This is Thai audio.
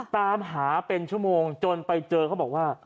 ตามหาเป็นชั่วโมงจนไปเจอเขาบอกว่า